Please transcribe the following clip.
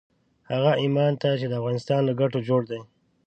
هغه ايمان ته چې د افغانستان له ګټو جوړ دی.